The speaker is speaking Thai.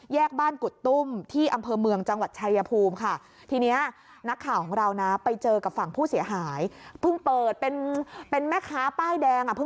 แยกบ้านกุฎตุ้มที่อำเภอเมืองจังหวัดชายภูมิค่ะ